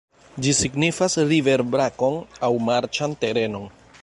Ĝi signifas river-brakon aŭ marĉan terenon.